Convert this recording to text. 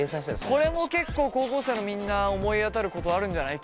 これも結構高校生のみんな思い当たることあるんじゃない。